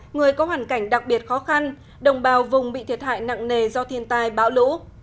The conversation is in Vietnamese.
người có hoàn cảnh đặc biệt khó khăn đồng bào vùng bị thiệt hại nặng nề do thiên tai bão lũ